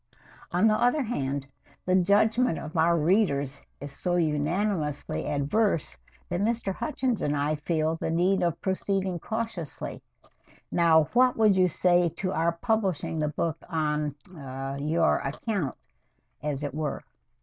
"On the other hand, the judgment of our readers is so unanimously adverse that Mr. Hutchins and I feel the need of proceeding cautiously. Now, what would you say to our publishing the book on ah on your account, as it were?"